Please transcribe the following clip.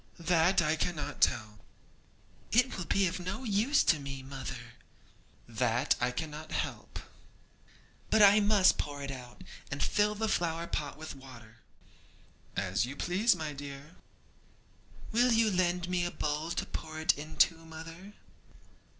'That I cannot tell.' 'It will be of no use to me, mother.' 'That I cannot help.' 'But I must pour it out, and fill the flower pot with water.' 'As you please, my dear.' 'Will you lend me a bowl to pour it into, mother?'